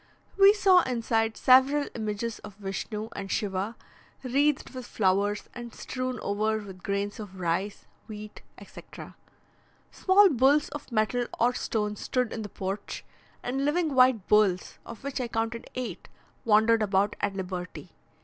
We saw inside several images of Vishnu and Shiva, wreathed with flowers, and strewn over with grains of rice, wheat, etc. Small bulls of metal or stone stood in the porch, and living white bulls (of which I counted eight) wandered about at liberty.